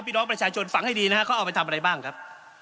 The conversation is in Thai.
พี่น้องประชาชนฟังให้ดีนะฮะเขาเอาไปทำอะไรบ้างครับ